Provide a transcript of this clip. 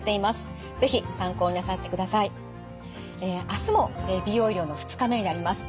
あすも美容医療の２日目になります。